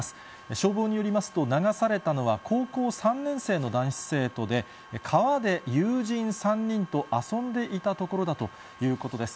消防によりますと、流されたのは高校３年生の男子生徒で、川で友人３人と遊んでいたところだということです。